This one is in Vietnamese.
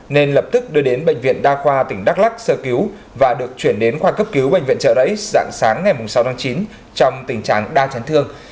nên lập tức đưa đến bệnh viện đa khoa tỉnh đắk lắc sơ cứu và được chuyển đến khoa cấp cứu bệnh viện trợ rẫy dạng sáng ngày sáu tháng chín trong tình trạng đa chấn thương